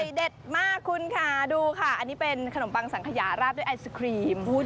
เด็ดมากคุณค่ะดูค่ะอันนี้เป็นขนมปังสังขยาราดด้วยไอศครีม